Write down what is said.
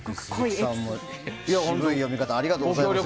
渋い読み方ありがとうございました。